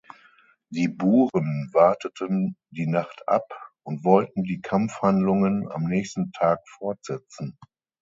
Die Buren warteten die Nacht ab und wollten die Kampfhandlungen am nächsten Tag fortsetzen.